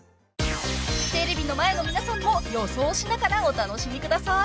［テレビの前の皆さんも予想しながらお楽しみください］